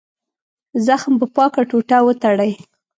زخم په پاکه ټوټه وتړئ.